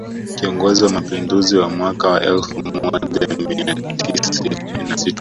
Kiongozi wa mapinduzi wa mwaka wa elfu moja mia tisa sitini na sita